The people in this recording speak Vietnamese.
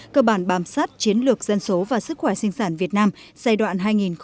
cơ bản bám sát chiến lược dân số và sức khỏe sinh sản việt nam giai đoạn hai nghìn một mươi sáu hai nghìn hai mươi